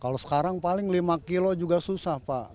kalau sekarang paling lima kilo juga susah pak